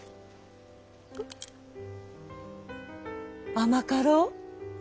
甘かろう？